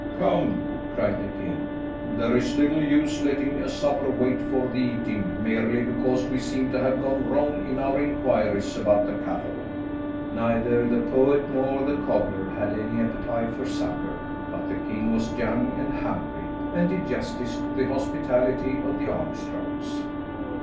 "Come," cried the king, "there is little use letting a supper wait for the eating merely because we seem to have gone wrong in our inquiries about the cattle." Neither the poet nor the cobbler had any appetite for supper, but the king was young and hungry, and did justice to the hospitality of the Armstrongs.